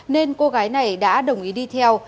nên cô gái này đã đồng ý đi theo